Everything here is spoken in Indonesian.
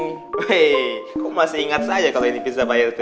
wey kok masih ingat saja kalau ini pizza pak rt